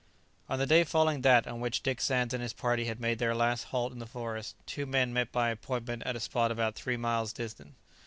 On the day following that on which Dick Sands and his party had made their last halt in the forest, two men met by appointment at a spot about three miles distant.